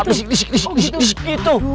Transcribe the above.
disik disik disik disik gitu